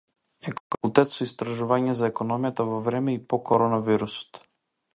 Економскиот факултет со истражување за економијата во време и по Корона вирусот